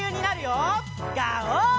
ガオー！